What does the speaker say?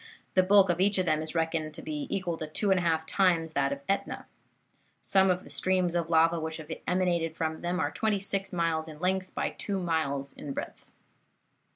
The bulk of each of them is reckoned to be equal to two and a half times that of Etna. Some of the streams of lava which have emanated from them are twenty six miles in length by two miles in breadth.